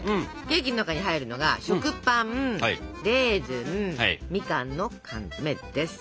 ケーキの中に入るのが食パンレーズンみかんの缶詰です。